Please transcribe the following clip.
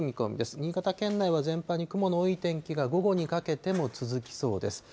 新潟県内は全般に雲の多い天気が午後にかけても続きそうです。